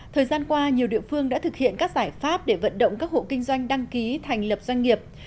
thời gian qua nhiều địa phương đã thực hiện các giải pháp để vận động các hộ kinh doanh đăng ký thành lập doanh nghiệp